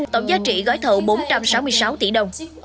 tổng giá trị gói thầu bốn trăm sáu mươi sáu tỷ đồng